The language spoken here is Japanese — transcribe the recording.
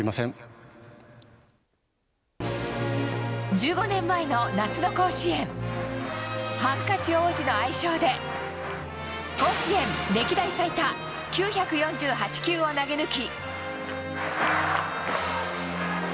１５年前の夏の甲子園ハンカチ王子の愛称で甲子園歴代最多９４８球を投げ抜き。